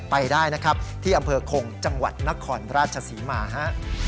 ไปได้นะครับที่อำเภอคงจังหวัดนครราชศรีมาฮะ